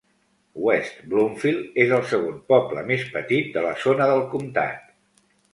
West Bloomfield és el segon poble més petit de la zona del comtat.